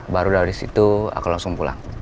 baru dari situ aku langsung pulang